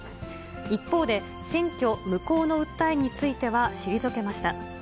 一方で、選挙無効の訴えについては退けました。